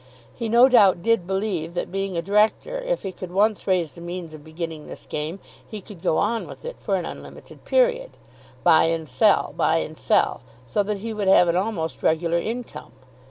He no doubt did believe that, being a Director, if he could once raise the means of beginning this game, he could go on with it for an unlimited period; buy and sell, buy and sell; so that he would have an almost regular income.